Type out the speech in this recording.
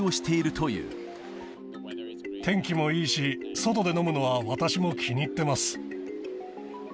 天気もいいし、外で飲むのは、私も気に入ってます。